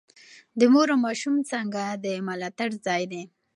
د مور او ماشوم څانګه د ملاتړ ځای دی.